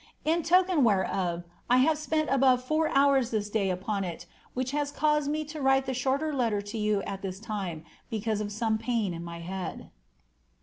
In token whereof I have spent above four hours this day upon it. which has caused me to write the shorter letter to yovL at this time, because of some pain in my head."